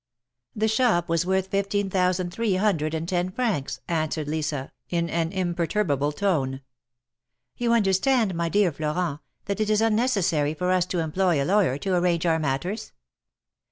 " The shop was worth fifteen thousand three hundred and ten francs," answered Lisa, in an imperturbable tone. " You understand, my dear Florent, that it is unnecessary for us to employ a lawyer to arrange our matters.